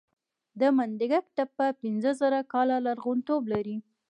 د منډیګک تپه پنځه زره کاله لرغونتوب لري